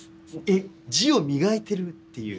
えっ字を磨いてるっていう？